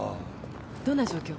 どんな状況？